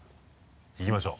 いきましょう。